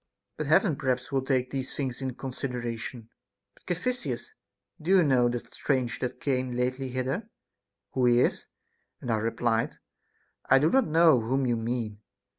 But Heaven perhaps will take these tilings into consideration. But, Caphisias, do you know that stranger that came lately hither, who he is ? And I re plied, I do not know whom you mean.